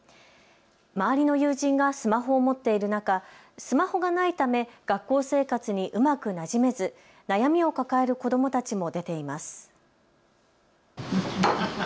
周りの友人がスマホを持っている中、スマホがないため学校生活にうまくなじめず悩みを抱える子どもたちも出ています。